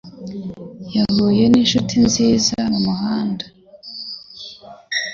Yahuye ninshuti nziza mumuhanda.